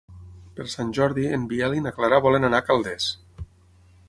Per Sant Jordi en Biel i na Clara volen anar a Calders.